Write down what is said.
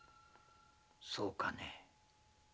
そうかね。